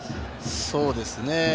そうですね。